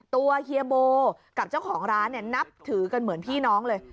เฮียโบกับเจ้าของร้านเนี่ยนับถือกันเหมือนพี่น้องเลย